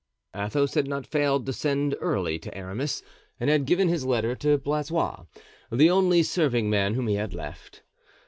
Athos had not failed to send early to Aramis and had given his letter to Blaisois, the only serving man whom he had left.